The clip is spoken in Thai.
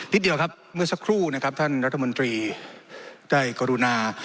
เดียวครับเมื่อสักครู่นะครับท่านรัฐมนตรีได้กรุณา